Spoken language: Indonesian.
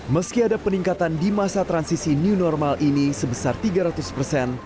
meski ada peningkatan di masa transisi new normal ini sebesar tiga ratus persen